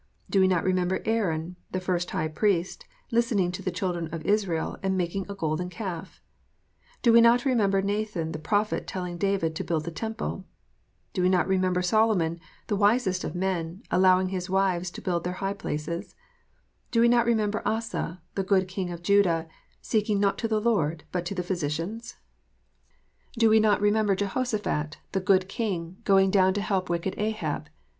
Do we not remember Aaron, the first high priest, listening to the children of Israel, and making a golden calf ? Do we not remember Nathan the prophet telling David to build a temple ? Do we not remember Solomon, the wisest of men, allowing his wives to build their high places 1 Do we not remember Asa, the good king of Judah, seeking not to the Lord, but to the physicians ? THE FALLIBILITY OF MINISTERS. 367 Do we not remember Jehoshaphat, the good king, going down to help wicked Ahab